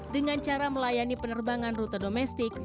dengan cara melayani penerbangan rute domestik